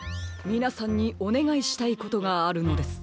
みなさんにおねがいしたいことがあるのです。